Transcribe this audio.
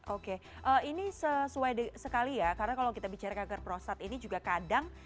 oke ini sesuai sekali ya karena kalau kita bicara kanker prostat ini juga kadang